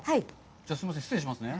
すいません、失礼しますね。